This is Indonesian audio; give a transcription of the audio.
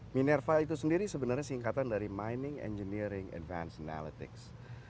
minerva itu sendiri sebenarnya singkatan dari mining engineering advance analytics